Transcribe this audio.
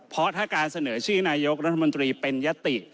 เพราะถ้าการเสนอชื่อนายกรัฐมนตรีเป็นยติ